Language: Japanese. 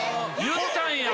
言ったんや！